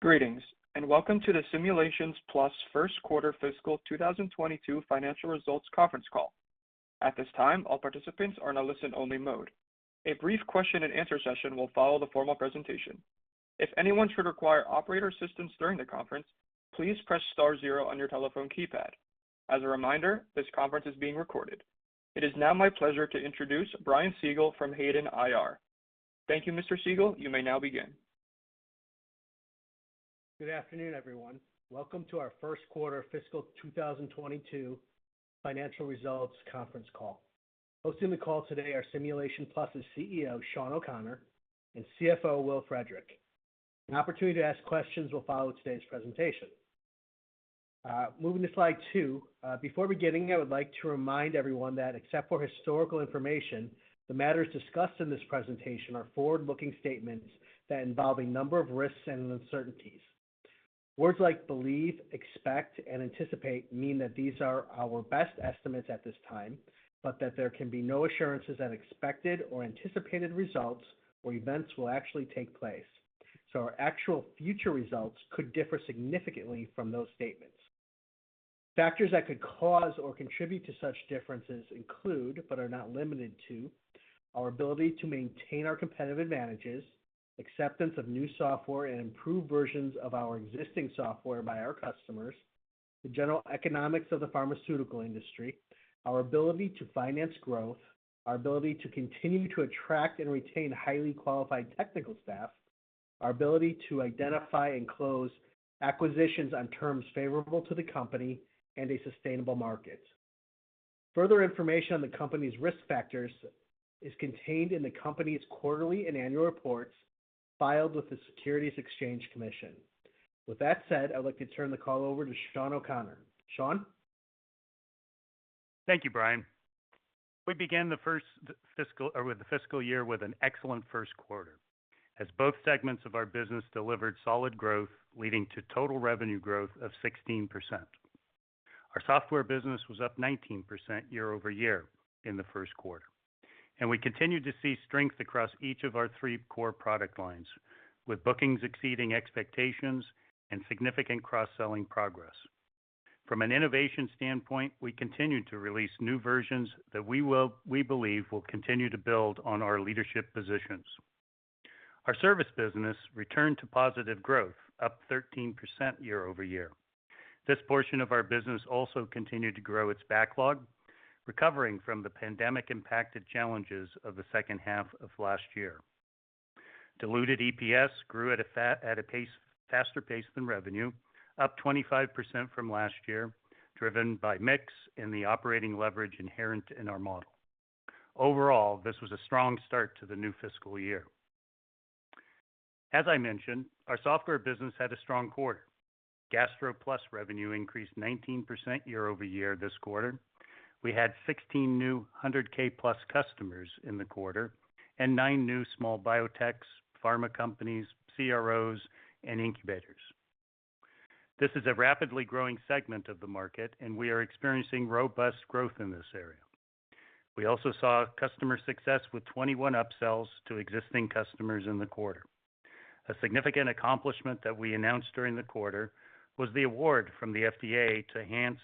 Greetings, and welcome to the Simulations Plus first quarter fiscal 2022 financial results conference call. At this time, all participants are in a listen only mode. A brief question-and-answer session will follow the formal presentation. If anyone should require operator assistance during the conference, please press star zero on your telephone keypad. As a reminder, this conference is being recorded. It is now my pleasure to introduce Brian Siegel from Hayden IR. Thank you, Mr. Siegel. You may now begin. Good afternoon, everyone. Welcome to our first quarter fiscal 2022 financial results conference call. Hosting the call today are Simulations Plus' CEO, Shawn O'Connor, and CFO, Will Frederick. An opportunity to ask questions will follow today's presentation. Moving to slide 2. Before beginning, I would like to remind everyone that except for historical information, the matters discussed in this presentation are forward-looking statements that involve a number of risks and uncertainties. Words like believe, expect, and anticipate mean that these are our best estimates at this time, but that there can be no assurances that expected or anticipated results or events will actually take place. Our actual future results could differ significantly from those statements. Factors that could cause or contribute to such differences include, but are not limited to, our ability to maintain our competitive advantages, acceptance of new software and improved versions of our existing software by our customers, the general economics of the pharmaceutical industry, our ability to finance growth, our ability to continue to attract and retain highly qualified technical staff, our ability to identify and close acquisitions on terms favorable to the company and a sustainable market. Further information on the company's risk factors is contained in the company's quarterly and annual reports filed with the Securities and Exchange Commission. With that said, I'd like to turn the call over to Shawn O'Connor. Shawn. Thank you, Brian. We began the fiscal year with an excellent first quarter as both segments of our business delivered solid growth, leading to total revenue growth of 16%. Our software business was up 19% year-over-year in the first quarter, and we continued to see strength across each of our three core product lines, with bookings exceeding expectations and significant cross-selling progress. From an innovation standpoint, we continued to release new versions that we believe will continue to build on our leadership positions. Our service business returned to positive growth, up 13% year-over-year. This portion of our business also continued to grow its backlog, recovering from the pandemic-impacted challenges of the second half of last year. Diluted EPS grew at a faster pace than revenue, up 25% from last year, driven by mix and the operating leverage inherent in our model. Overall, this was a strong start to the new fiscal year. As I mentioned, our software business had a strong quarter. GastroPlus revenue increased 19% year-over-year this quarter. We had 16 new 100K+ customers in the quarter and nine new small biotechs, pharma companies, CROs and incubators. This is a rapidly growing segment of the market and we are experiencing robust growth in this area. We also saw customer success with 21 upsells to existing customers in the quarter. A significant accomplishment that we announced during the quarter was the award from the FDA to enhance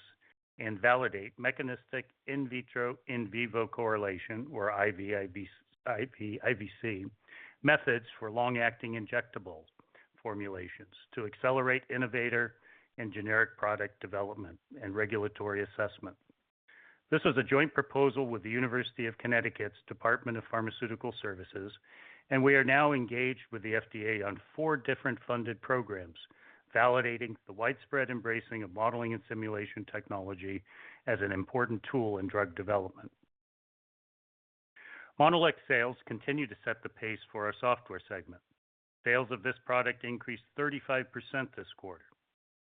and validate mechanistic in vitro in vivo correlation or IVIVC methods for long-acting injectable formulations to accelerate innovator and generic product development and regulatory assessment. This was a joint proposal with the University of Connecticut's Department of Pharmaceutical Sciences, and we are now engaged with the FDA on four different funded programs, validating the widespread embracing of modeling and simulation technology as an important tool in drug development. Monolix sales continue to set the pace for our software segment. Sales of this product increased 35% this quarter.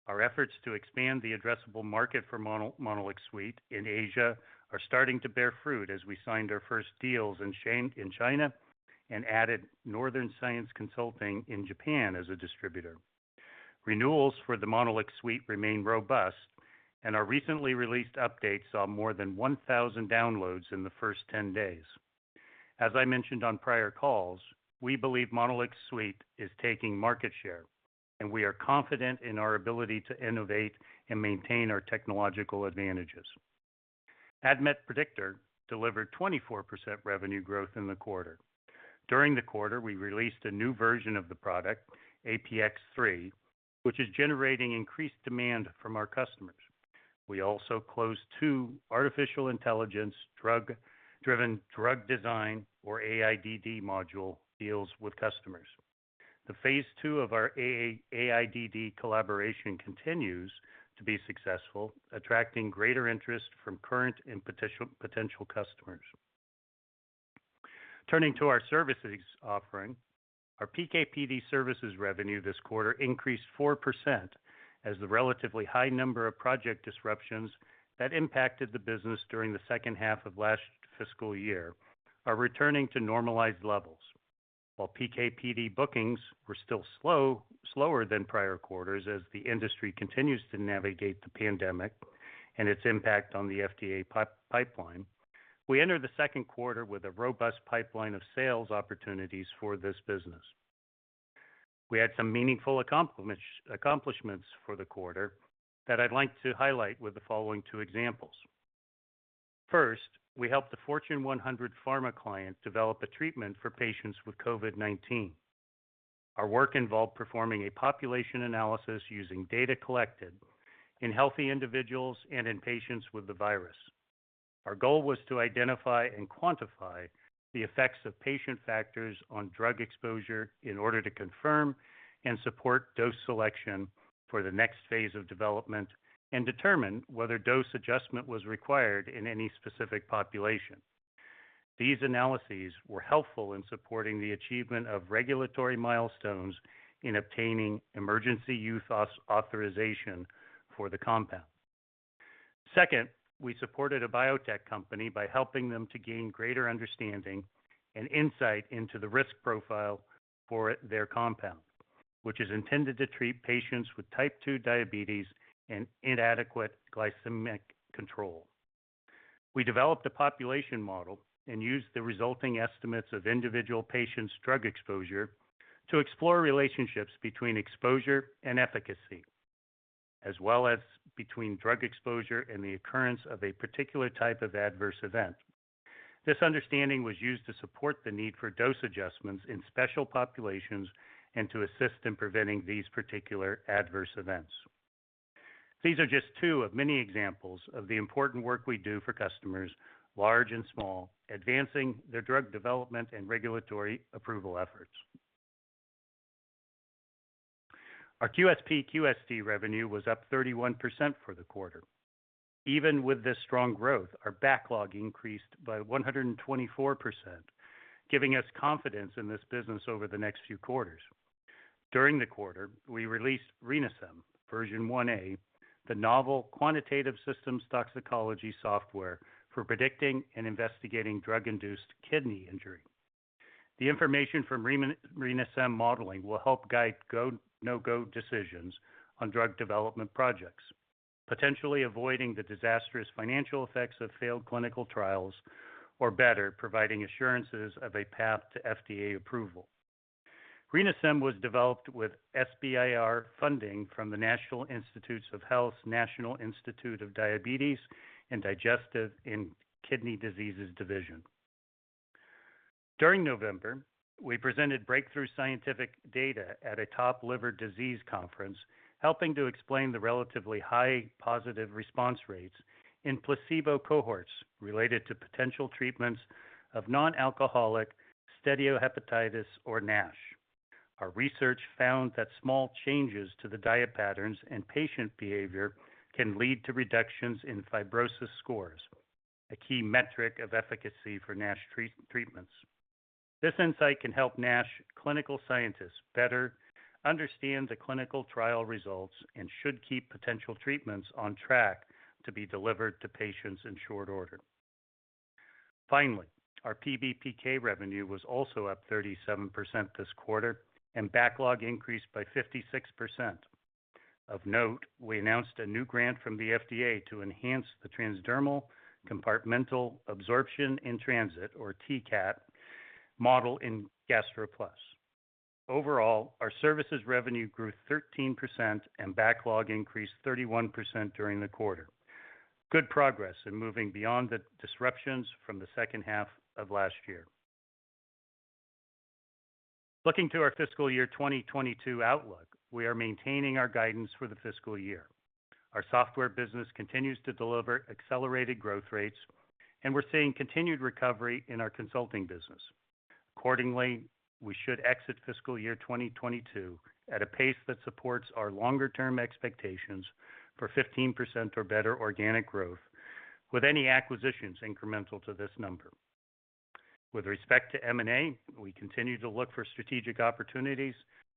Our efforts to expand the addressable market for MonolixSuite in Asia are starting to bear fruit as we signed our first deals in China and added Northern Science Consulting in Japan as a distributor. Renewals for the MonolixSuite remain robust, and our recently released update saw more than 1000 downloads in the first 10 days. As I mentioned on prior calls, we believe MonolixSuite is taking market share, and we are confident in our ability to innovate and maintain our technological advantages. ADMET Predictor delivered 24% revenue growth in the quarter. During the quarter, we released a new version of the product, APX.3, which is generating increased demand from our customers. We also closed two artificial intelligence-driven drug design or AIDD module deals with customers. The phase II of our AIDD collaboration continues to be successful, attracting greater interest from current and potential customers. Turning to our services offering. Our PK/PD services revenue this quarter increased 4% as the relatively high number of project disruptions that impacted the business during the second half of last fiscal year are returning to normalized levels. While PK/PD bookings were still slow, slower than prior quarters as the industry continues to navigate the pandemic and its impact on the FDA pipeline. We entered the second quarter with a robust pipeline of sales opportunities for this business. We had some meaningful accomplishments for the quarter that I'd like to highlight with the following two examples. First, we helped a Fortune 100 pharma client develop a treatment for patients with COVID-19. Our work involved performing a population analysis using data collected in healthy individuals and in patients with the virus. Our goal was to identify and quantify the effects of patient factors on drug exposure in order to confirm and support dose selection for the next phase of development, and determine whether dose adjustment was required in any specific population. These analyses were helpful in supporting the achievement of regulatory milestones in obtaining emergency use authorization for the compound. Second, we supported a biotech company by helping them to gain greater understanding and insight into the risk profile for their compound, which is intended to treat patients with type 2 diabetes and inadequate glycemic control. We developed a population model and used the resulting estimates of individual patients' drug exposure to explore relationships between exposure and efficacy, as well as between drug exposure and the occurrence of a particular type of adverse event. This understanding was used to support the need for dose adjustments in special populations and to assist in preventing these particular adverse events. These are just two of many examples of the important work we do for customers, large and small, advancing their drug development and regulatory approval efforts. Our QSP/QST revenue was up 31% for the quarter. Even with this strong growth, our backlog increased by 124%, giving us confidence in this business over the next few quarters. During the quarter, we released RENAsym version 1A, the novel quantitative systems toxicology software for predicting and investigating drug-induced kidney injury. The information from RENAsym modeling will help guide go, no-go decisions on drug development projects, potentially avoiding the disastrous financial effects of failed clinical trials, or better, providing assurances of a path to FDA approval. RENAsym was developed with SBIR funding from the National Institutes of Health, National Institute of Diabetes and Digestive and Kidney Diseases. During November, we presented breakthrough scientific data at a top liver disease conference, helping to explain the relatively high positive response rates in placebo cohorts related to potential treatments of non-alcoholic steatohepatitis, or NASH. Our research found that small changes to the diet patterns and patient behavior can lead to reductions in fibrosis scores, a key metric of efficacy for NASH treatments. This insight can help NASH clinical scientists better understand the clinical trial results and should keep potential treatments on track to be delivered to patients in short order. Finally, our PBPK revenue was also up 37% this quarter, and backlog increased by 56%. Of note, we announced a new grant from the FDA to enhance the transdermal compartmental absorption in transit, or TCAT, model in GastroPlus. Overall, our services revenue grew 13% and backlog increased 31% during the quarter. Good progress in moving beyond the disruptions from the second half of last year. Looking to our fiscal year 2022 outlook, we are maintaining our guidance for the fiscal year. Our software business continues to deliver accelerated growth rates, and we're seeing continued recovery in our consulting business. Accordingly, we should exit fiscal year 2022 at a pace that supports our longer-term expectations for 15% or better organic growth with any acquisitions incremental to this number. With respect to M&A, we continue to look for strategic opportunities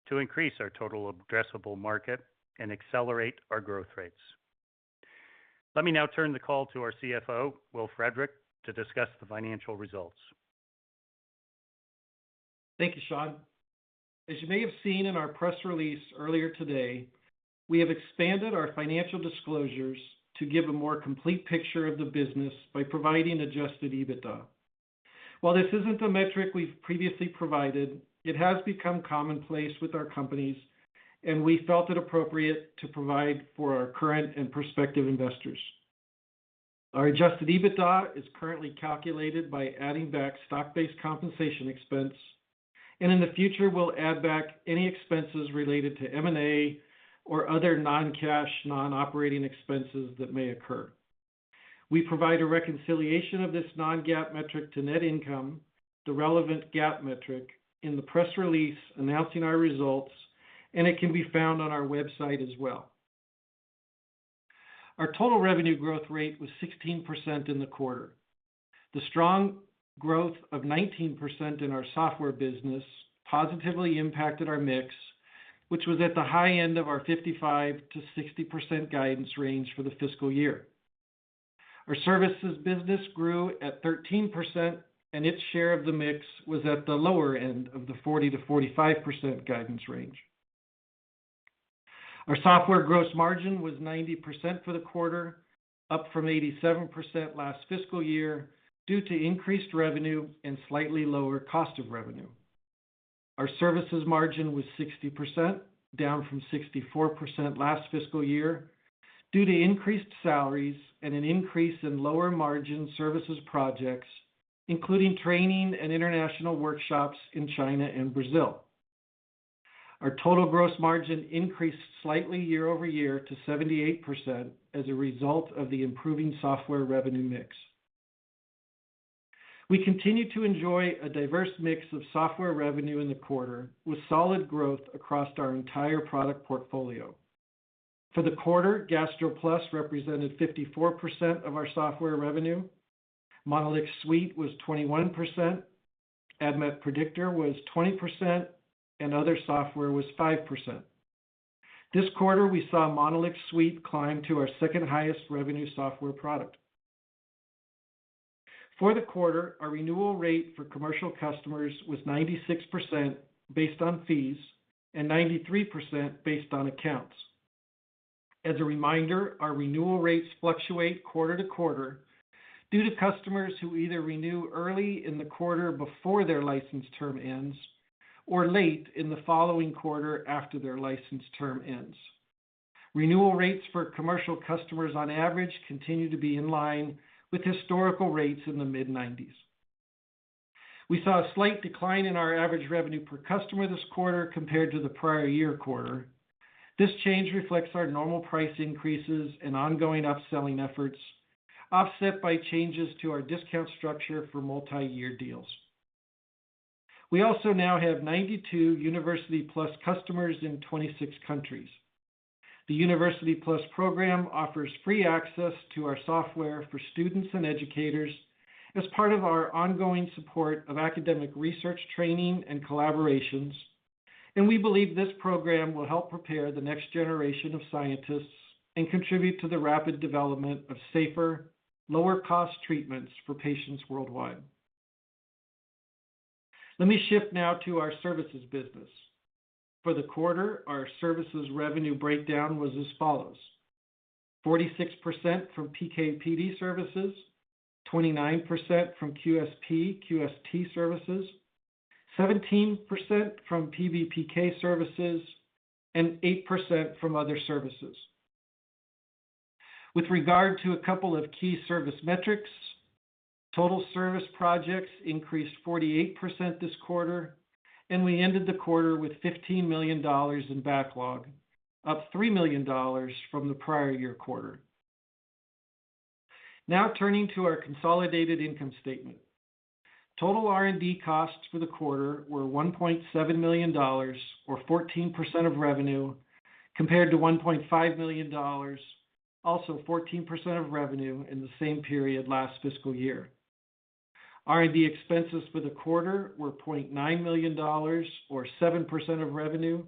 to increase our total addressable market and accelerate our growth rates. Let me now turn the call to our CFO, Will Frederick, to discuss the financial results. Thank you, Shawn. As you may have seen in our press release earlier today, we have expanded our financial disclosures to give a more complete picture of the business by providing adjusted EBITDA. While this isn't a metric we've previously provided, it has become commonplace with our companies, and we felt it appropriate to provide for our current and prospective investors. Our adjusted EBITDA is currently calculated by adding back stock-based compensation expense, and in the future, we'll add back any expenses related to M&A or other non-cash, non-operating expenses that may occur. We provide a reconciliation of this non-GAAP metric to net income, the relevant GAAP metric, in the press release announcing our results, and it can be found on our website as well. Our total revenue growth rate was 16% in the quarter. The strong growth of 19% in our software business positively impacted our mix, which was at the high end of our 55%-60% guidance range for the fiscal year. Our services business grew at 13% and its share of the mix was at the lower end of the 40%-45% guidance range. Our software gross margin was 90% for the quarter, up from 87% last fiscal year due to increased revenue and slightly lower cost of revenue. Our services margin was 60%, down from 64% last fiscal year due to increased salaries and an increase in lower margin services projects, including training and international workshops in China and Brazil. Our total gross margin increased slightly year-over-year to 78% as a result of the improving software revenue mix. We continue to enjoy a diverse mix of software revenue in the quarter, with solid growth across our entire product portfolio. For the quarter, GastroPlus represented 54% of our software revenue. MonolixSuite was 21%. ADMET Predictor was 20%, and other software was 5%. This quarter, we saw MonolixSuite climb to our second highest revenue software product. For the quarter, our renewal rate for commercial customers was 96% based on fees and 93% based on accounts. As a reminder, our renewal rates fluctuate quarter to quarter due to customers who either renew early in the quarter before their license term ends or late in the following quarter after their license term ends. Renewal rates for commercial customers on average continue to be in line with historical rates in the mid-90s. We saw a slight decline in our average revenue per customer this quarter compared to the prior year quarter. This change reflects our normal price increases and ongoing upselling efforts, offset by changes to our discount structure for multi-year deals. We also now have 92 University Plus customers in 26 countries. The University Plus program offers free access to our software for students and educators as part of our ongoing support of academic research, training and collaborations, and we believe this program will help prepare the next generation of scientists and contribute to the rapid development of safer, lower cost treatments for patients worldwide. Let me shift now to our services business. For the quarter, our services revenue breakdown was as follows, 46% from PK/PD services, 29% from QSP/QST services, 17% from PBPK services, and 8% from other services. With regard to a couple of key service metrics, total service projects increased 48% this quarter and we ended the quarter with $15 million in backlog, up $3 million from the prior year quarter. Now turning to our consolidated income statement. Total R&D costs for the quarter were $1.7 million, or 14% of revenue, compared to $1.5 million, also 14% of revenue, in the same period last fiscal year. R&D expenses for the quarter were $0.9 million or 7% of revenue,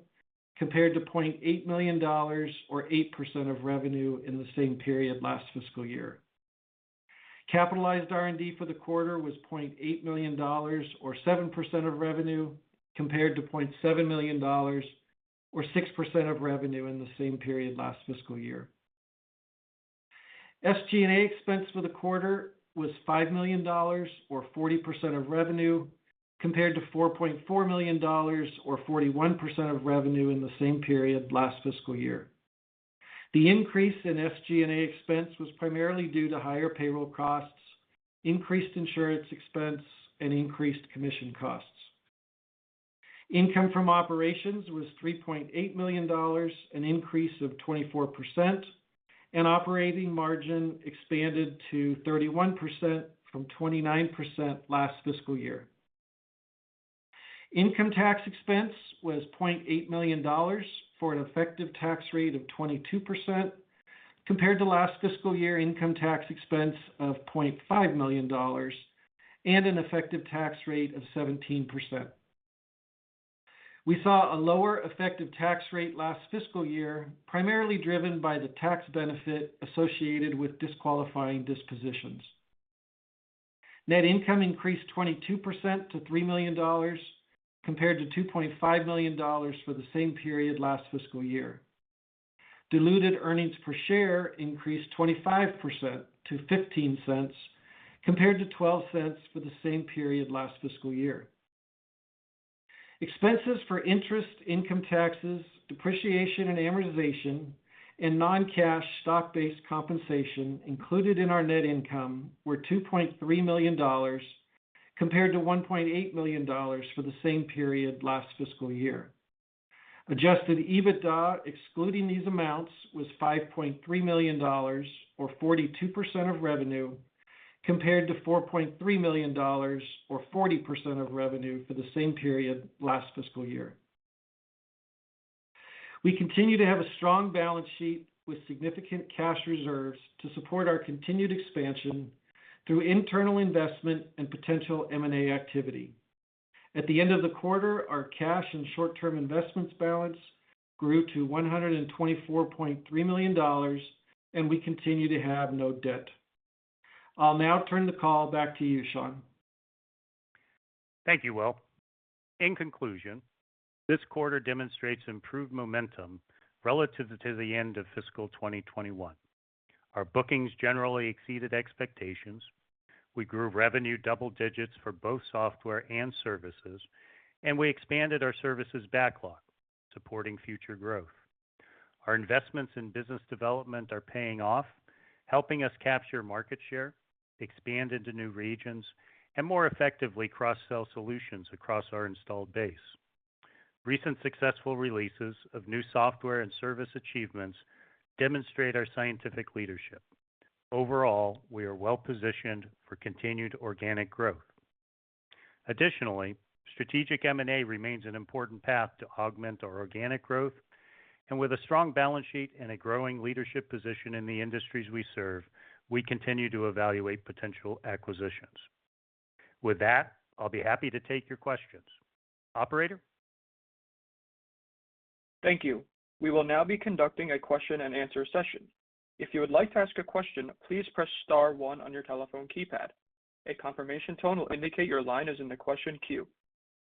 compared to $0.8 million or 8% of revenue in the same period last fiscal year. Capitalized R&D for the quarter was $0.8 million or 7% of revenue, compared to $0.7 million or 6% of revenue in the same period last fiscal year. SG&A expense for the quarter was $5 million or 40% of revenue, compared to $4.4 million or 41% of revenue in the same period last fiscal year. The increase in SG&A expense was primarily due to higher payroll costs, increased insurance expense and increased commission costs. Income from operations was $3.8 million, an increase of 24%, and operating margin expanded to 31% from 29% last fiscal year. Income tax expense was $0.8 million, for an effective tax rate of 22% compared to last fiscal year income tax expense of $0.5 million and an effective tax rate of 17%. We saw a lower effective tax rate last fiscal year, primarily driven by the tax benefit associated with disqualifying dispositions. Net income increased 22% to $3 million, compared to $2.5 million for the same period last fiscal year. Diluted earnings per share increased 25% to $0.15, compared to $0.12 for the same period last fiscal year. Expenses for interest, income taxes, depreciation and amortization and non-cash stock-based compensation included in our net income were $2.3 million, compared to $1.8 million for the same period last fiscal year. Adjusted EBITDA, excluding these amounts, was $5.3 million or 42% of revenue, compared to $4.3 million or 40% of revenue for the same period last fiscal year. We continue to have a strong balance sheet with significant cash reserves to support our continued expansion through internal investment and potential M&A activity. At the end of the quarter, our cash and short-term investments balance grew to $124.3 million, and we continue to have no debt. I'll now turn the call back to you, Shawn. Thank you, Will. In conclusion, this quarter demonstrates improved momentum relative to the end of fiscal 2021. Our bookings generally exceeded expectations. We grew revenue double digits for both software and services, and we expanded our services backlog, supporting future growth. Our investments in business development are paying off, helping us capture market share, expand into new regions, and more effectively cross-sell solutions across our installed base. Recent successful releases of new software and service achievements demonstrate our scientific leadership. Overall, we are well-positioned for continued organic growth. Additionally, strategic M&A remains an important path to augment our organic growth, and with a strong balance sheet and a growing leadership position in the industries we serve, we continue to evaluate potential acquisitions. With that, I'll be happy to take your questions. Operator? Thank you. We will now be conducting a question-and-answer session. If you would like to ask a question, please press star one on your telephone keypad. A confirmation tone will indicate your line is in the question queue.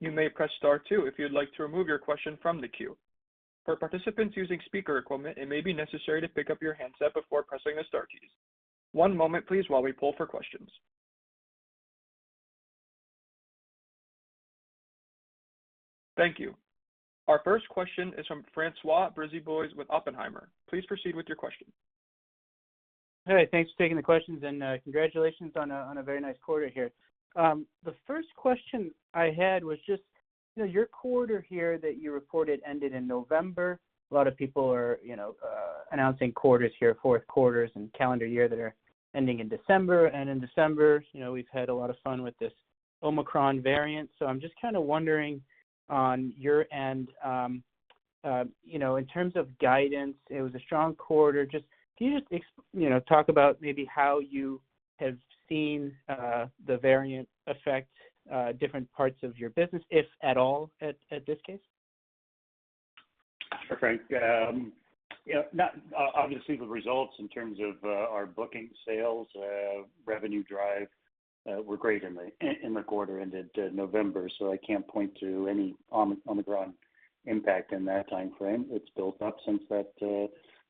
You may press star two if you'd like to remove your question from the queue. For participants using speaker equipment, it may be necessary to pick up your handset before pressing the star keys. One moment, please, while we pull for questions. Thank you. Our first question is from François Brisebois with Oppenheimer. Please proceed with your question. Hey, thanks for taking the questions, and congratulations on a very nice quarter here. The first question I had was just, you know, your quarter here that you reported ended in November. A lot of people are, you know, announcing quarters here, fourth quarters and calendar year that are ending in December. And in December, you know, we've had a lot of fun with this Omicron variant. So I'm just kind of wondering on your end, you know, in terms of guidance, it was a strong quarter. Just, can you just you know, talk about maybe how you have seen the variant affect different parts of your business, if at all, in this case? Sure, Frank. Yeah, obviously, the results in terms of our booking sales, revenue drive were great in the quarter ended November, so I can't point to any Omicron impact in that timeframe. It's built up since that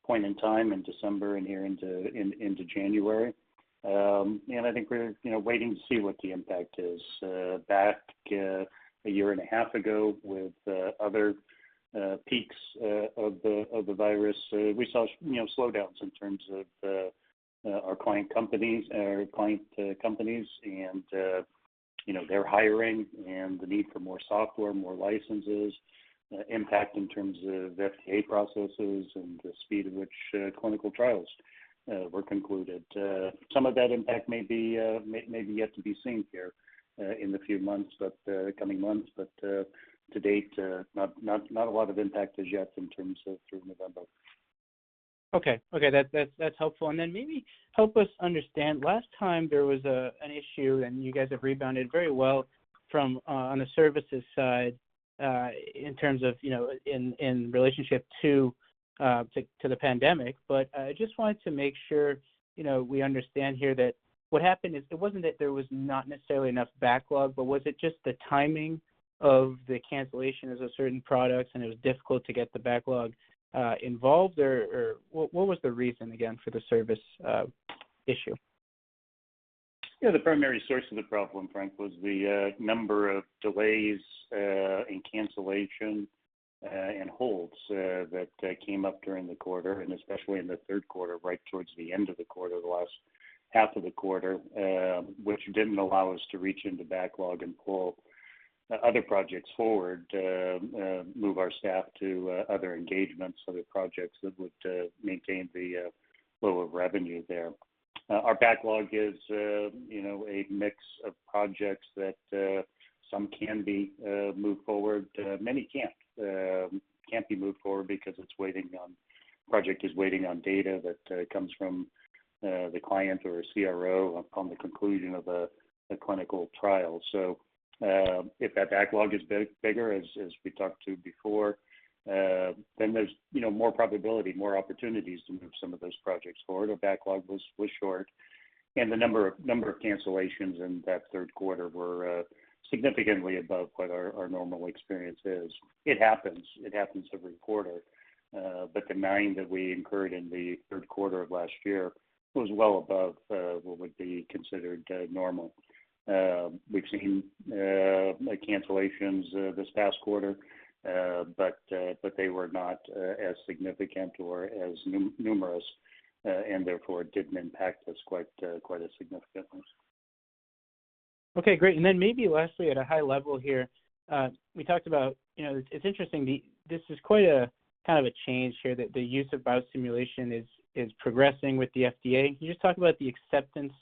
point in time in December and here into January. I think we're you know waiting to see what the impact is. Back a year and a half ago with other peaks of the virus we saw you know slowdowns in terms of our client companies and you know their hiring and the need for more software more licenses impact in terms of FDA processes and the speed at which clinical trials were concluded. Some of that impact may be yet to be seen here in the coming months. To date, not a lot of impact as yet in terms of through November. Okay. Okay, that's helpful. Then maybe help us understand. Last time there was an issue and you guys have rebounded very well from on the services side in terms of, you know, in relationship to the pandemic. I just wanted to make sure, you know, we understand here that what happened is it wasn't that there was not necessarily enough backlog, but was it just the timing of the cancellation of certain products, and it was difficult to get the backlog involved or what was the reason again for the service issue? Yeah. The primary source of the problem, Frank, was the number of delays and cancellation and holds that came up during the quarter, and especially in the third quarter, right towards the end of the quarter, the last half of the quarter, which didn't allow us to reach into backlog and pull other projects forward to move our staff to other engagements, other projects that would maintain the flow of revenue there. Our backlog is, you know, a mix of projects that some can be moved forward. Many can't be moved forward because project is waiting on data that comes from the client or CRO on the conclusion of a clinical trial. If that backlog is bigger as we talked to before, then there's, you know, more probability, more opportunities to move some of those projects forward. Our backlog was short, and the number of cancellations in that third quarter were significantly above what our normal experience is. It happens every quarter. But the nine that we incurred in the third quarter of last year was well above what would be considered normal. We've seen cancellations this past quarter, but they were not as significant or as numerous, and therefore didn't impact us quite as significantly. Okay, great. Maybe lastly, at a high level here, we talked about, you know, it's interesting this is quite a kind of a change here that the use of biosimulation is progressing with the FDA. Can you just talk about the acceptance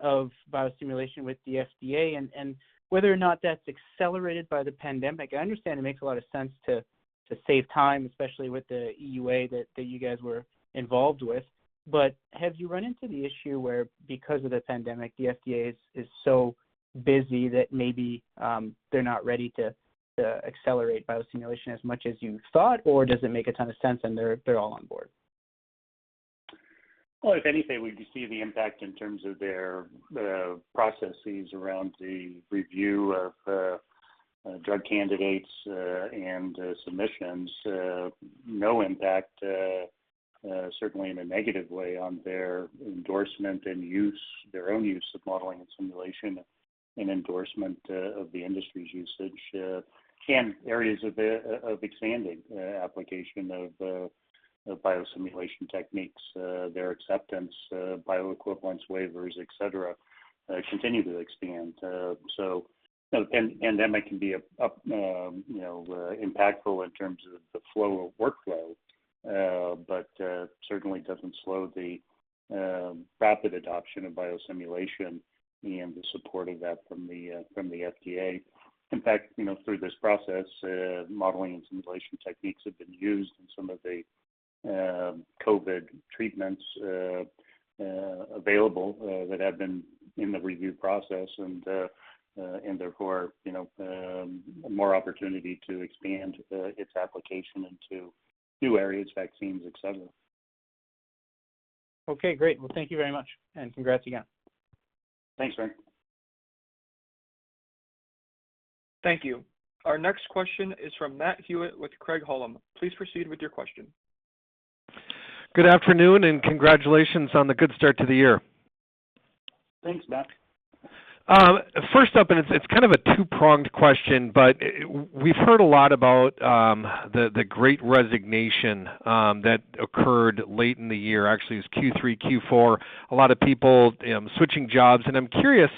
of biosimulation with the FDA and whether or not that's accelerated by the pandemic. I understand it makes a lot of sense to save time, especially with the EUA that you guys were involved with. Have you run into the issue where because of the pandemic, the FDA is so busy that maybe they're not ready to accelerate biosimulation as much as you thought? Does it make a ton of sense and they're all on board? Well, if anything, we see the impact in terms of their processes around the review of drug candidates and submissions. No impact certainly in a negative way on their endorsement and use, their own use of modeling and simulation and endorsement of the industry's usage and areas of expanding application of biosimulation techniques. Their acceptance, bioequivalence waivers, et cetera, continue to expand. You know, pandemic can be impactful in terms of the flow of workflow, but certainly doesn't slow the rapid adoption of biosimulation and the support of that from the FDA. In fact, you know, through this process, modeling and simulation techniques have been used in some of the COVID treatments available that have been in the review process and therefore, you know, more opportunity to expand its application into new areas, vaccines, et cetera. Okay, great. Well, thank you very much, and congrats again. Thanks, Ryan. Thank you. Our next question is from Matt Hewitt with Craig-Hallum. Please proceed with your question. Good afternoon and congratulations on the good start to the year. Thanks, Matt. First up, it's kind of a two-pronged question, but we've heard a lot about the great resignation that occurred late in the year. Actually, it was Q3, Q4, a lot of people switching jobs, and I'm curious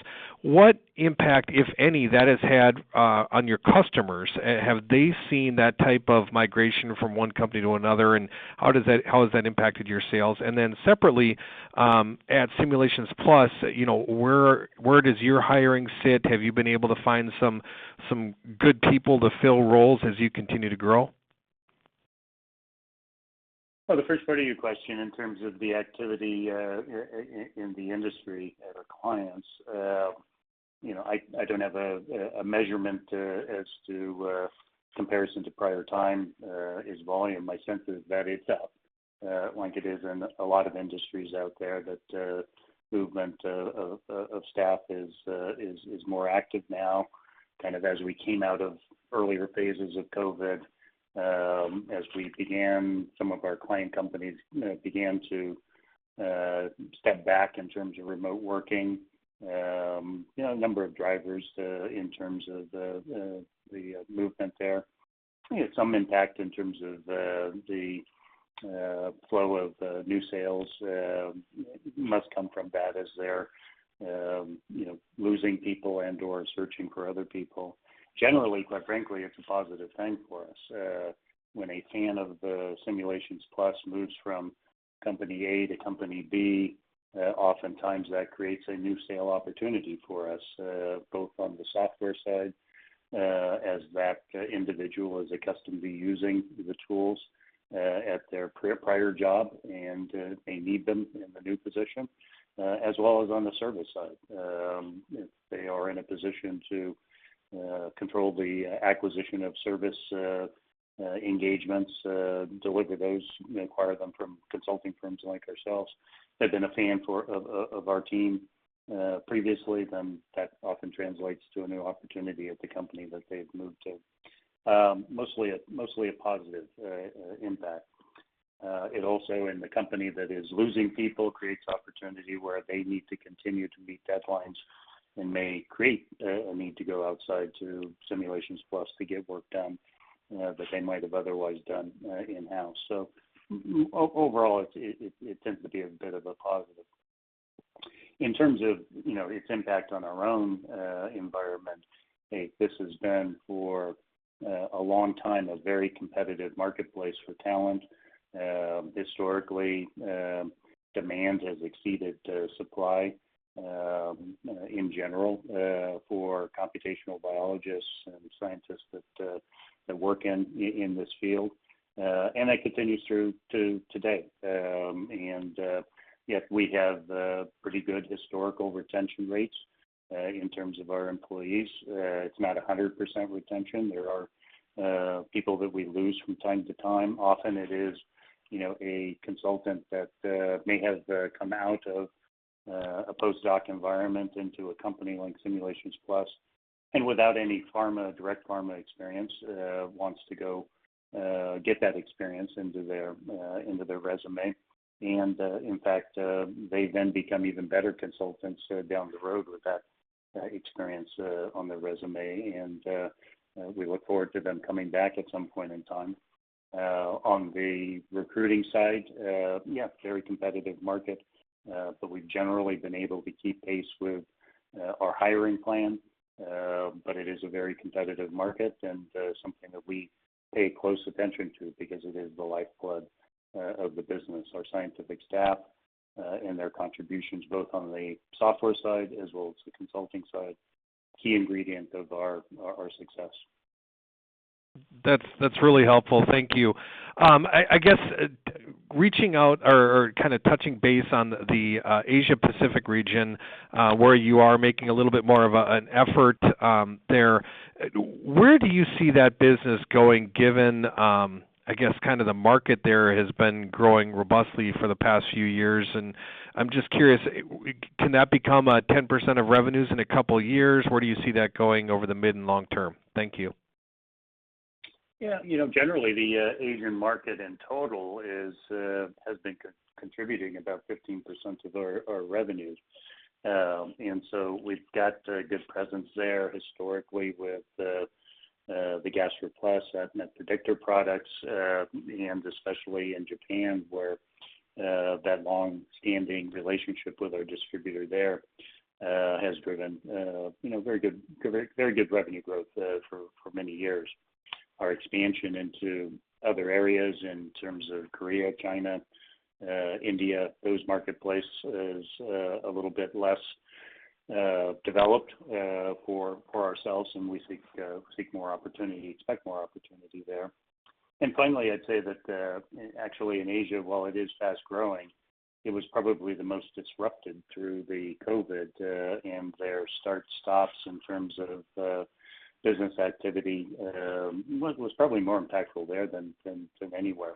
what impact, if any, that has had on your customers. Have they seen that type of migration from one company to another? How has that impacted your sales? Then separately, at Simulations Plus, you know, where does your hiring sit? Have you been able to find some good people to fill roles as you continue to grow? Well, the first part of your question in terms of the activity in the industry at our clients, you know, I don't have a measurement as to comparison to prior time is volume. My sense is that it's up, like it is in a lot of industries out there that movement of staff is more active now, kind of as we came out of earlier phases of COVID. As we began, some of our client companies, you know, began to step back in terms of remote working. You know, a number of drivers in terms of the movement there. We had some impact in terms of the flow of new sales must come from that as they're, you know, losing people and/or searching for other people. Generally, quite frankly, it's a positive thing for us. When a fan of the Simulations Plus moves from company A to company B, oftentimes that creates a new sale opportunity for us, both on the software side, as that individual is accustomed to using the tools, at their prior job, and they need them in the new position, as well as on the service side. If they are in a position to control the acquisition of service engagements, you know, acquire them from consulting firms like ourselves. They've been a fan of our team previously, then that often translates to a new opportunity at the company that they've moved to. Mostly a positive impact. It also in the company that is losing people creates opportunity where they need to continue to meet deadlines and may create a need to go outside to Simulations Plus to get work done that they might have otherwise done in-house. Overall, it tends to be a bit of a positive. In terms of, you know, its impact on our own environment, this has been for a long time a very competitive marketplace for talent. Historically, demand has exceeded supply in general for computational biologists and scientists that work in this field. That continues through to today. Yet we have pretty good historical retention rates in terms of our employees. It's not 100% retention. There are people that we lose from time to time. Often it is, you know, a consultant that may have come out of a post-doc environment into a company like Simulations Plus, and without any direct pharma experience, wants to go get that experience into their resume. We look forward to them coming back at some point in time. On the recruiting side, yeah, very competitive market. We've generally been able to keep pace with our hiring plan, but it is a very competitive market and something that we pay close attention to because it is the lifeblood of the business. Our scientific staff and their contributions both on the software side as well as the consulting side, key ingredient of our success. That's really helpful. Thank you. I guess, reaching out or kinda touching base on the Asia Pacific region, where you are making a little bit more of an effort there, where do you see that business going given, I guess, kinda the market there has been growing robustly for the past few years? I'm just curious, can that become 10% of revenues in a couple years? Where do you see that going over the mid and long term? Thank you. Yeah. You know, generally, the Asian market in total has been contributing about 15% of our revenues. We've got a good presence there historically with the GastroPlus and ADMET Predictor products, and especially in Japan, where that long-standing relationship with our distributor there has driven you know, very good revenue growth for many years. Our expansion into other areas in terms of Korea, China, India, those marketplaces is a little bit less developed for ourselves, and we seek more opportunity, expect more opportunity there. Finally, I'd say that actually in Asia, while it is fast-growing, it was probably the most disrupted through the COVID, and their start-stops in terms of business activity was probably more impactful there than anywhere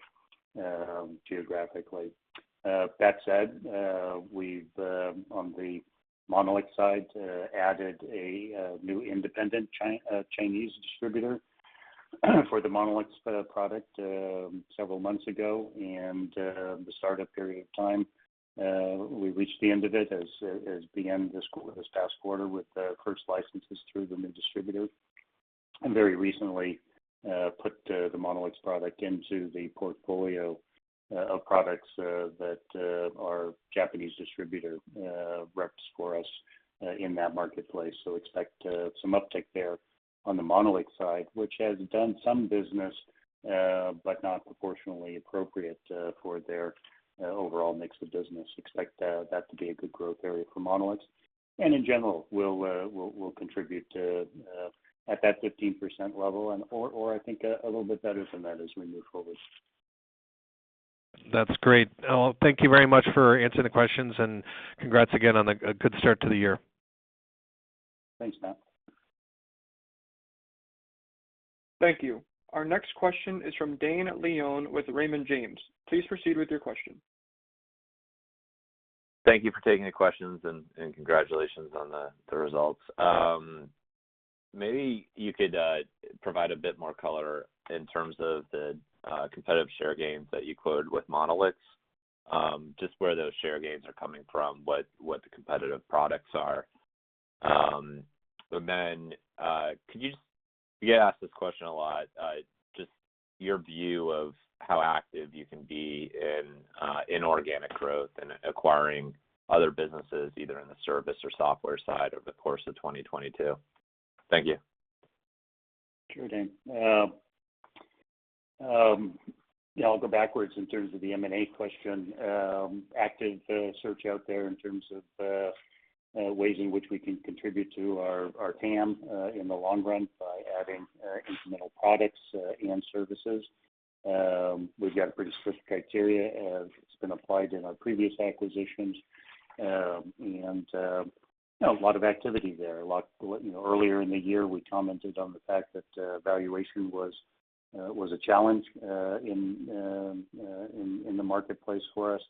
geographically. That said, we've on the Monolix side added a new independent Chinese distributor for the Monolix product several months ago. The startup period of time we reached the end of it as the end of this past quarter with our first licenses through the new distributor. Very recently put the Monolix product into the portfolio of products that our Japanese distributor reps for us in that marketplace. Expect some uptick there on the Monolix side, which has done some business, but not proportionally appropriate for their overall mix of business. Expect that to be a good growth area for Monolix. In general, will contribute to at that 15% level and/or, I think a little bit better than that as we move forward. That's great. Well, thank you very much for answering the questions, and congrats again on a good start to the year. Thanks, Matt. Thank you. Our next question is from Dane Leone with Raymond James. Please proceed with your question. Thank you for taking the questions and congratulations on the results. Maybe you could provide a bit more color in terms of the competitive share gains that you quoted with Monolix, just where those share gains are coming from, what the competitive products are. And then, could you just, you get asked this question a lot, just your view of how active you can be in inorganic growth and acquiring other businesses, either in the service or software side over the course of 2022. Thank you. Sure, Dane. Yeah, I'll go backwards in terms of the M&A question. Active search out there in terms of ways in which we can contribute to our TAM in the long run by adding incremental products and services. We've got a pretty strict criteria as it's been applied in our previous acquisitions. You know, a lot of activity there. A lot. You know, earlier in the year, we commented on the fact that valuation was a challenge in the marketplace for us.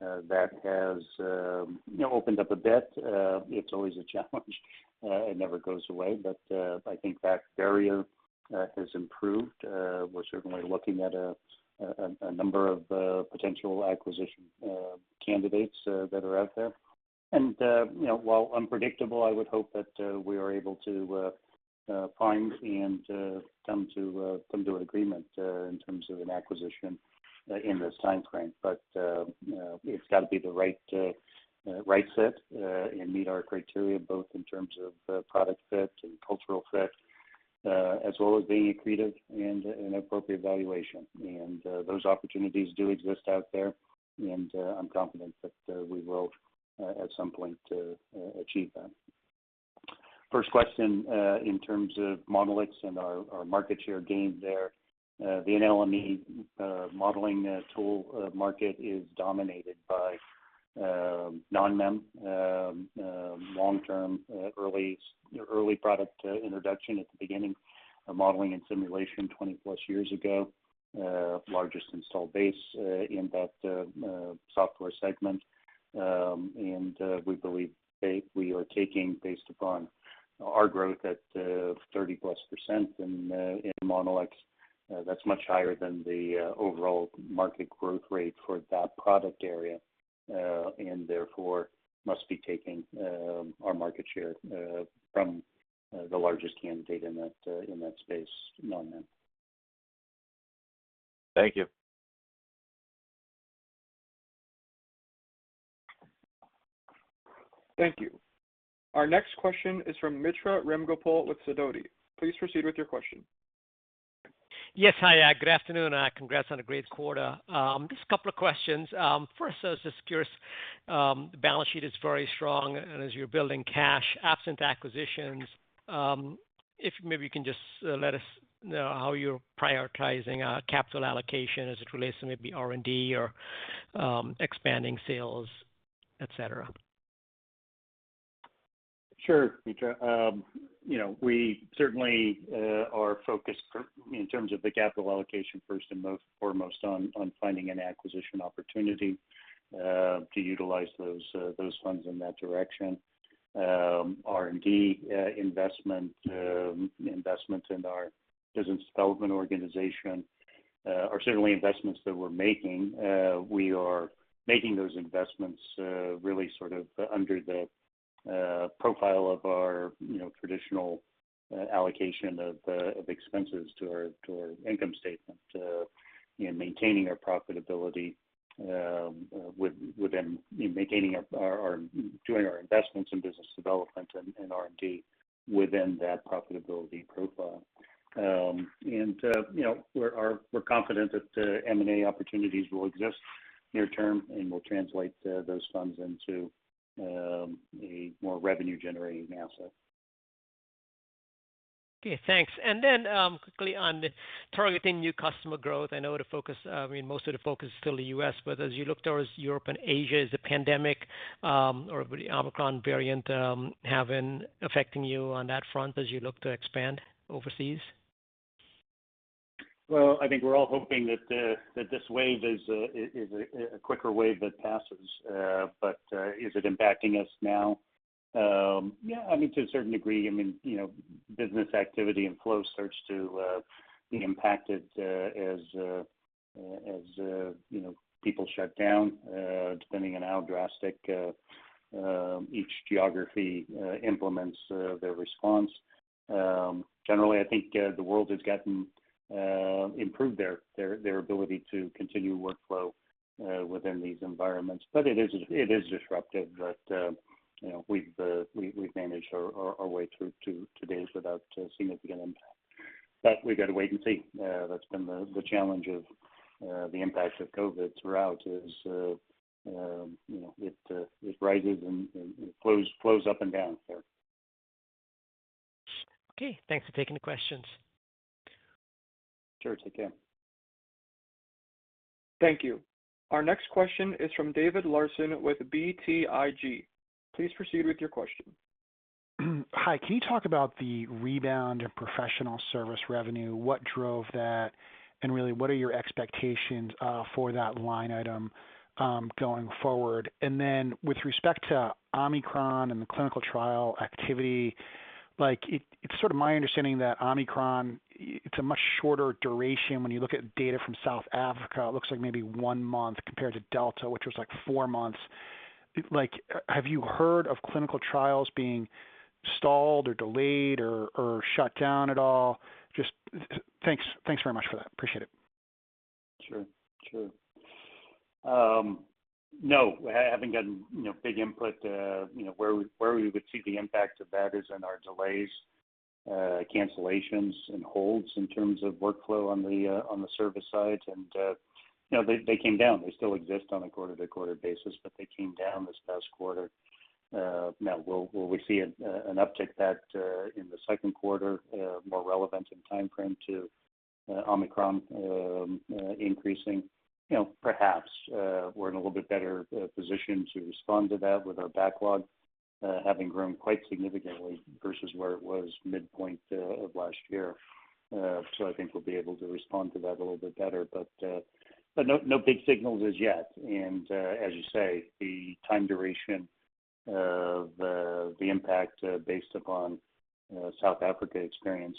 That has, you know, opened up a bit. It's always a challenge. It never goes away. I think that barrier has improved. We're certainly looking at a number of potential acquisition candidates that are out there. You know, while unpredictable, I would hope that we are able to find and come to an agreement in terms of an acquisition in this timeframe. It's got to be the right fit and meet our criteria, both in terms of product fit and cultural fit as well as being accretive and an appropriate valuation. Those opportunities do exist out there, and I'm confident that we will at some point achieve that. First question, in terms of Monolix and our market share gains there, the NLME modeling tool market is dominated by NONMEM, long-term early product introduction at the beginning of modeling and simulation 20+ years ago, largest installed base in that software segment. We believe we are taking based upon our growth at 30%+ in Monolix. That's much higher than the overall market growth rate for that product area, and therefore must be taking our market share from the largest candidate in that space, NONMEM. Thank you. Thank you. Our next question is from Mitra Ramgopal with Sidoti. Please proceed with your question. Yes. Hi. Good afternoon, and congrats on a great quarter. Just a couple of questions. First, just curious, the balance sheet is very strong, and as you're building cash, absent acquisitions, if maybe you can just let us know how you're prioritizing capital allocation as it relates to maybe R&D or expanding sales, et cetera? Sure, Mitra. You know, we certainly are focused in terms of the capital allocation first and foremost on finding an acquisition opportunity to utilize those funds in that direction. R&D investment in our business development organization are certainly investments that we're making. We are making those investments really sort of under the profile of our traditional allocation of expenses to our income statement in maintaining our profitability doing our investments in business development and R&D within that profitability profile. You know, we're confident that M&A opportunities will exist near term, and we'll translate those funds into a more revenue-generating asset. Okay, thanks. Quickly on targeting new customer growth, I know the focus, I mean, most of the focus is still the U.S., but as you look towards Europe and Asia, is the pandemic or the Omicron variant affecting you on that front as you look to expand overseas? Well, I think we're all hoping that this wave is a quicker wave that passes. Is it impacting us now? Yeah, I mean, to a certain degree. I mean, you know, business activity and flow starts to be impacted as you know, people shut down depending on how drastic each geography implements their response. Generally, I think, the world has gotten improved their ability to continue workflow within these environments. It is disruptive. You know, we've managed our way through to date without significant impact. We've got to wait and see. That's been the challenge of the impacts of COVID throughout, is, you know, it rises and flows up and down there. Okay, thanks for taking the questions. Sure, take care. Thank you. Our next question is from David Larsen with BTIG. Please proceed with your question. Hi. Can you talk about the rebound in professional service revenue? What drove that, and really, what are your expectations for that line item going forward? Then with respect to Omicron and the clinical trial activity, like, it's sort of my understanding that Omicron is a much shorter duration. When you look at data from South Africa, it looks like maybe one month compared to Delta, which was like four months. Like, have you heard of clinical trials being stalled or delayed or shut down at all? Just thanks very much for that. Appreciate it. Sure. No, haven't gotten, you know, big input. You know, where we would see the impact of that is in our delays, cancellations and holds in terms of workflow on the service side. You know, they came down. They still exist on a quarter-to-quarter basis, but they came down this past quarter. Now will we see an uptick in the second quarter, more relevant in timeframe to Omicron increasing? You know, perhaps. We're in a little bit better position to respond to that with our backlog having grown quite significantly versus where it was midpoint of last year. I think we'll be able to respond to that a little bit better. No big signals as yet. As you say, the time duration of the impact based upon South Africa experience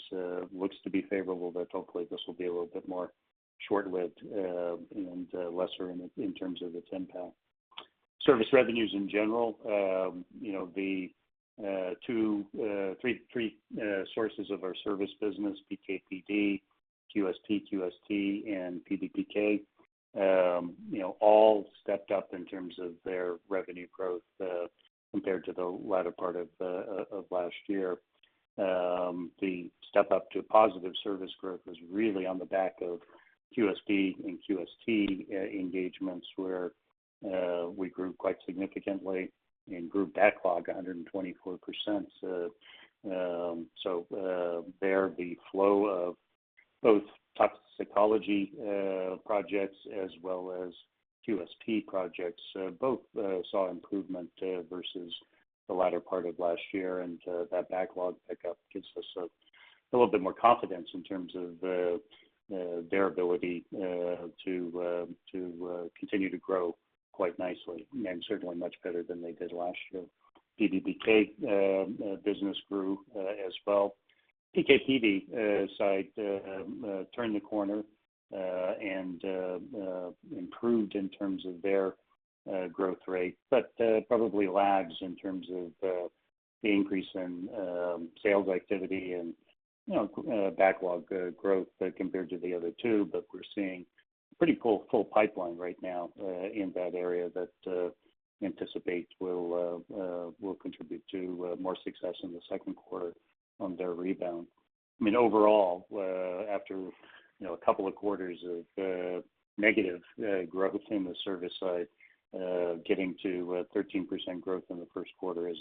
looks to be favorable, but hopefully this will be a little bit more short-lived and lesser in terms of the impact. Service revenues in general, you know, the three sources of our service business, PKPD, QSP, QST, and PBPK, you know, all stepped up in terms of their revenue growth compared to the latter part of last year. The step-up to positive service growth was really on the back of QSP and QST engagements, where we grew quite significantly and grew backlog 124%. The flow of both toxicology projects as well as QSP projects both saw improvement versus the latter part of last year. That backlog pickup gives us a little bit more confidence in terms of their ability to continue to grow quite nicely, and certainly much better than they did last year. PBPK business grew as well. PKPD side turned the corner and improved in terms of their growth rate, but probably lags in terms of the increase in sales activity and, you know, backlog growth compared to the other two, but we're seeing pretty full pipeline right now in that area that anticipate will contribute to more success in the second quarter on their rebound. I mean, overall, after, you know, a couple of quarters of negative growth in the service side, getting to 13% growth in the first quarter is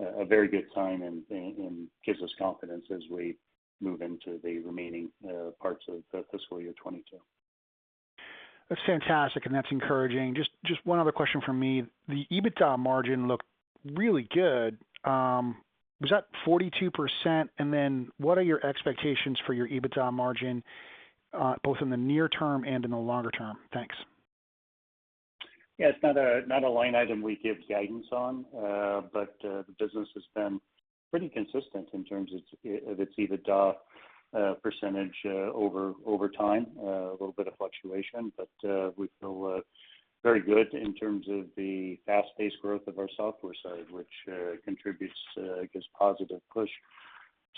a very good sign and gives us confidence as we move into the remaining parts of fiscal year 2022. That's fantastic and that's encouraging. Just one other question from me. The EBITDA margin looked really good. Was that 42%? And then what are your expectations for your EBITDA margin, both in the near term and in the longer term? Thanks. Yeah, it's not a line item we give guidance on. The business has been pretty consistent in terms of its EBITDA percentage over time. A little bit of fluctuation, but we feel very good in terms of the fast-paced growth of our software side, which gives positive push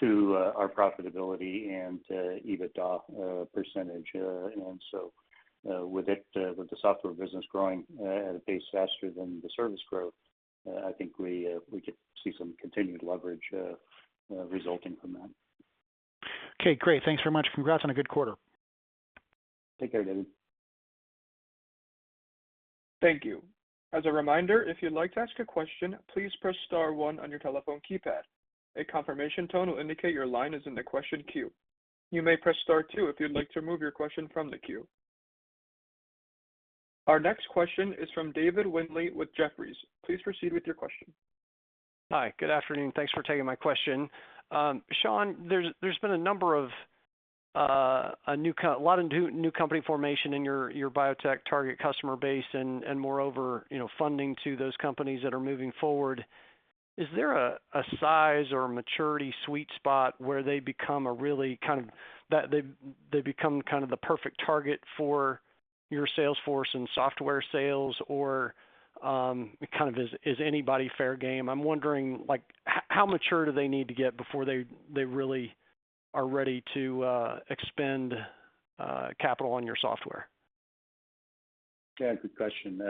to our profitability and EBITDA percentage. With the software business growing at a pace faster than the service growth, I think we could see some continued leverage resulting from that. Okay, great. Thanks very much. Congrats on a good quarter. Take care, David. Thank you. As a reminder, if you'd like to ask a question, please press star one on your telephone keypad. A confirmation tone will indicate your line is in the question queue. You may press star two if you'd like to remove your question from the queue. Our next question is from David Windley with Jefferies. Please proceed with your question. Hi, good afternoon. Thanks for taking my question. Shawn, there's been a number of a lot of new company formation in your biotech target customer base and moreover, you know, funding to those companies that are moving forward. Is there a size or maturity sweet spot where they become really kind of the perfect target for your sales force and software sales? Or, kind of is anybody fair game? I'm wondering, like, how mature do they need to get before they really are ready to expend capital on your software? Yeah, good question.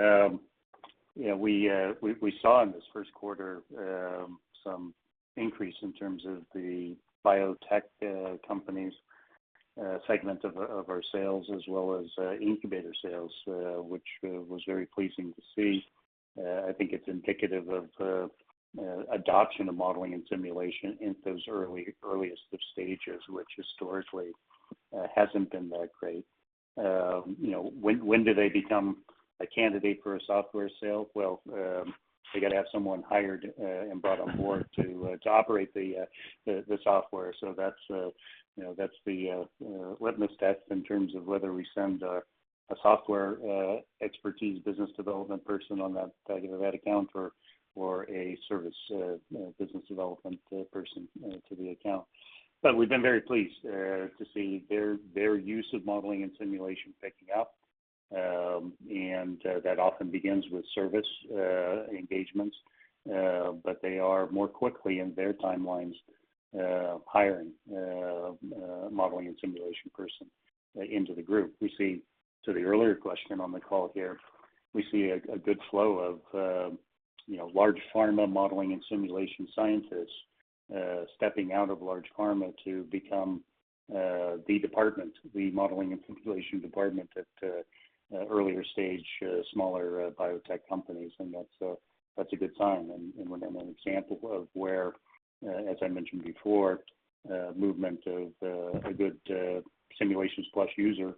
Yeah, we saw in this first quarter some increase in terms of the biotech companies segment of our sales as well as incubator sales, which was very pleasing to see. I think it's indicative of adoption of modeling and simulation in those early, earliest of stages, which historically hasn't been that great. You know, when do they become a candidate for a software sale? Well, they gotta have someone hired and brought on board to operate the software. That's you know that's the litmus test in terms of whether we send a software expertise business development person to that account or a service business development person to the account. We've been very pleased to see their use of modeling and simulation picking up. That often begins with service engagements. They are more quickly in their timelines hiring modeling and simulation person into the group. We see, to the earlier question on the call here, we see a good flow of you know large pharma modeling and simulation scientists stepping out of large pharma to become the modeling and simulation department at earlier stage smaller biotech companies. That's a good sign. Another example of where, as I mentioned before, movement of a good Simulations Plus user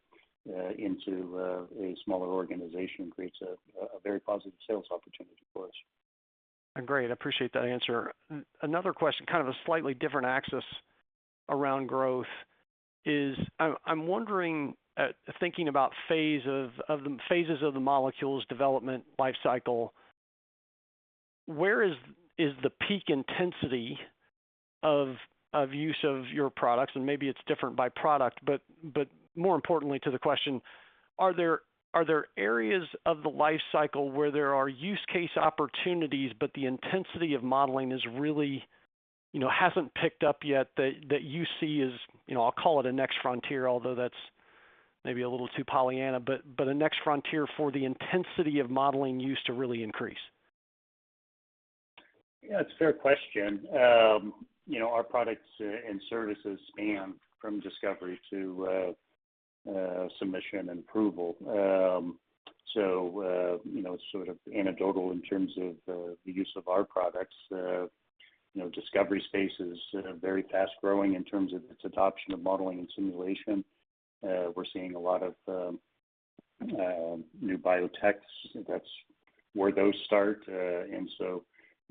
into a smaller organization creates a very positive sales opportunity for us. Great, I appreciate that answer. Another question, kind of a slightly different axis around growth is I'm wondering, thinking about phases of the molecules development life cycle, where is the peak intensity of use of your products, and maybe it's different by product, but more importantly to the question, are there areas of the life cycle where there are use case opportunities, but the intensity of modeling is really, you know, hasn't picked up yet that you see as, you know, I'll call it a next frontier, although that's maybe a little too Pollyanna, but a next frontier for the intensity of modeling use to really increase? Yeah, it's a fair question. You know, our products and services span from discovery to submission and approval. You know, sort of anecdotal in terms of the use of our products. You know, discovery space is very fast growing in terms of its adoption of modeling and simulation. We're seeing a lot of new biotechs, that's where those start. There's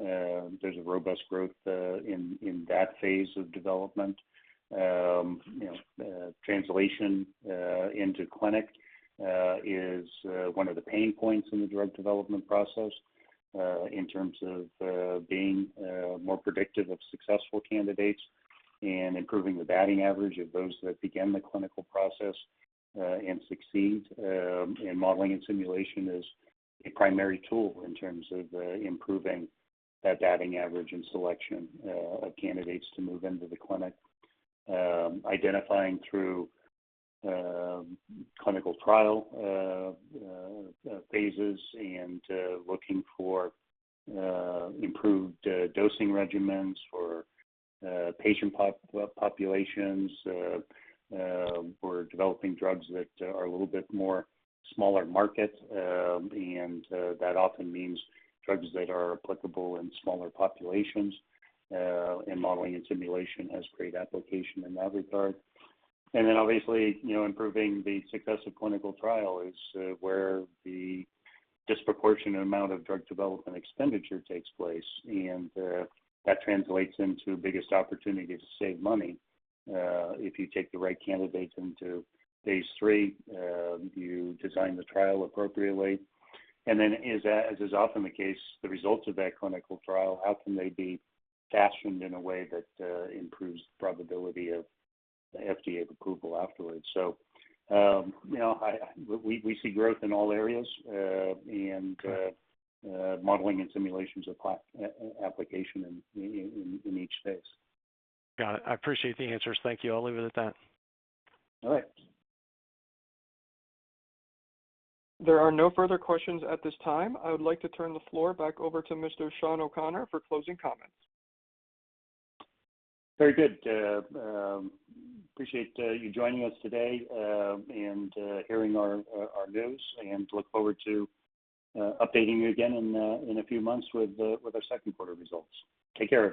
a robust growth in that phase of development. You know, translation into clinic is one of the pain points in the drug development process in terms of being more predictive of successful candidates and improving the batting average of those that begin the clinical process and succeed. Modeling and simulation is a primary tool in terms of improving that batting average and selection of candidates to move into the clinic. Identifying through clinical trial phases and looking for improved dosing regimens for patient populations or developing drugs that are a little bit more smaller market. That often means drugs that are applicable in smaller populations, and modeling and simulation has great application in that regard. Then obviously, you know, improving the success of clinical trial is where the disproportionate amount of drug development expenditure takes place, and that translates into biggest opportunity to save money if you take the right candidates into phase III you design the trial appropriately. As is often the case, the results of that clinical trial, how can they be fashioned in a way that improves the probability of FDA approval afterwards? You know, we see growth in all areas, and modeling and simulation is applicable in each phase. Got it. I appreciate the answers. Thank you. I'll leave it at that. All right. There are no further questions at this time. I would like to turn the floor back over to Mr. Shawn O'Connor for closing comments. Very good. We appreciate you joining us today and hearing our news, and look forward to updating you again in a few months with our second quarter results. Take care, everyone.